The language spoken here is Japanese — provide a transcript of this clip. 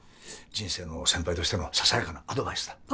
人生の先輩としてのささやかなアドバイスだ。